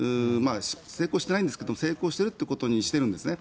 成功してないんですけど成功してるってことにしているんですね。